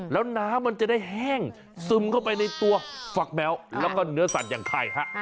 แล้วน้ำมันจะได้แห้งซึมเข้าไปในตัวฝักแมวแล้วก็เนื้อสัตว์อย่างไข่ฮะ